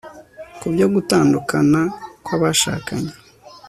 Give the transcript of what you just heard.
ku byo gutandukana kw'abashakanye